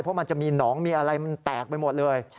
เพราะมันจะมีหนองมีอะไรมันแตกไปหมดเลย